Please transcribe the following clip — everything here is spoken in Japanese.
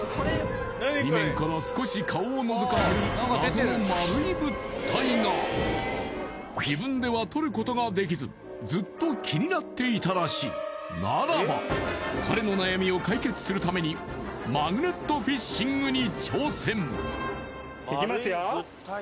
水面から少し顔をのぞかせる自分では取ることができずずっと気になっていたらしいならば彼の悩みを解決するためにマグネットフィッシングに挑戦いきますよ